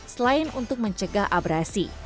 selain untuk mencegah abrasi